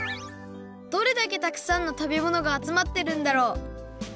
どれだけたくさんの食べ物があつまってるんだろう？